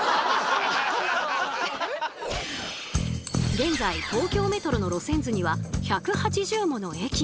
現在東京メトロの路線図には１８０もの駅が。